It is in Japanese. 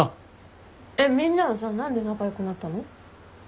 えっみんなはさ何で仲良くなったの？